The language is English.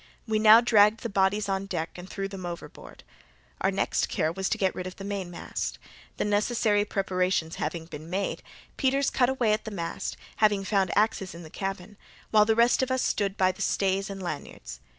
We now dragged the bodies on deck and threw them overboard. Our next care was to get rid of the mainmast. The necessary preparations having been made, Peters cut away at the mast (having found axes in the cabin), while the rest of us stood by the stays and lanyards.